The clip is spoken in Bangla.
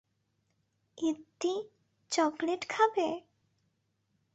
ইদতি, চকলেট খাবে?